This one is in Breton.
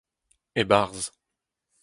e-barzh